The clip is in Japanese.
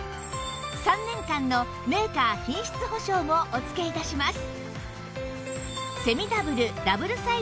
３年間のメーカー品質保証もお付け致します